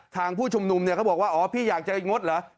ผู้ชุมนุมเนี่ยเขาบอกว่าอ๋อพี่อยากจะงดเหรอ